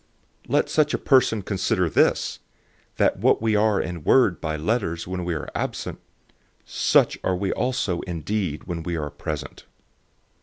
010:011 Let such a person consider this, that what we are in word by letters when we are absent, such are we also in deed when we are present.